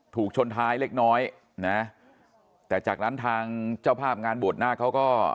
ถูกชนท้ายเล็กน้อยนะแต่จากนั้นทางเจ้าภาพงานบวชนาคเขาก็